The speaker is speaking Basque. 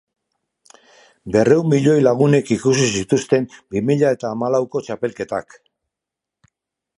Berrehun milioi lagunek ikusi zituzten bi mila eta hamalauko txapelketak.